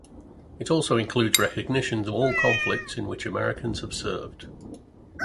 It also includes recognition of all conflicts in which Americans have served.